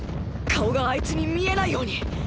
顔があいつに見えないように。